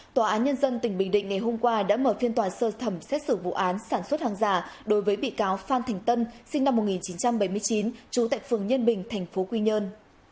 tòa án nhân dân tỉnh bình định ngày hôm qua đã mở phiên tòa sơ thẩm xét xử vụ án sản xuất hàng giả đối với bị cáo phan thành tân sinh năm một nghìn chín trăm bảy mươi chín trú tại phường nhân bình tp quy nhơn